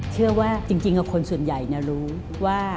เชื่อว่าจริงคนส่วนใหญ่รู้ว่า